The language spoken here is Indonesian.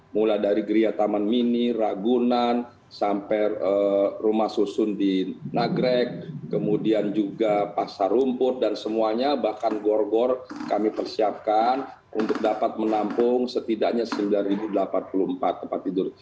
mulai dari geria taman mini ragunan sampai rumah susun di nagrek kemudian juga pasar rumput dan semuanya bahkan gor gor kami persiapkan untuk dapat menampung setidaknya sembilan delapan puluh empat tempat tidur